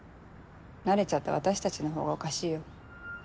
慣れちゃった私たちのほうがおかしいよ。